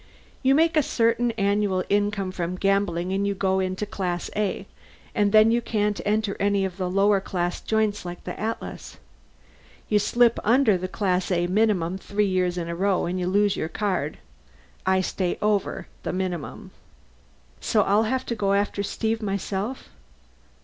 You make a certain annual income from gambling and you go into Class A, and then you can't enter any of the lower class joints like the Atlas. You slip under the Class A minimum three years in a row and you lose your card. I stay over the minimum." "So I'll have to go after Steve myself.